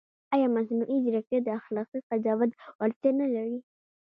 ایا مصنوعي ځیرکتیا د اخلاقي قضاوت وړتیا نه لري؟